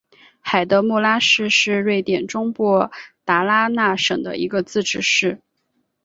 海德穆拉市是瑞典中部达拉纳省的一个自治市。